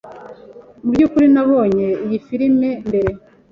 Mubyukuri, Nabonye iyi firime mbere.